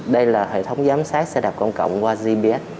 đây là hệ thống giám sát xe đạp công cộng qua gbs